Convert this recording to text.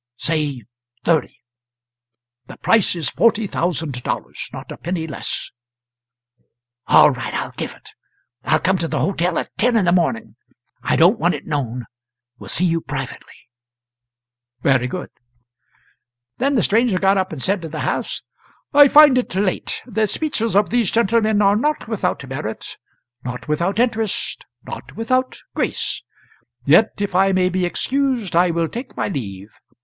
"Say thirty." "The price is forty thousand dollars; not a penny less." "All right, I'll give it. I will come to the hotel at ten in the morning. I don't want it known; will see you privately." "Very good." Then the stranger got up and said to the house: "I find it late. The speeches of these gentlemen are not without merit, not without interest, not without grace; yet if I may he excused I will take my leave.